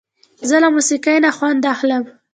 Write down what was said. زه له موسیقۍ نه خوند اخلم.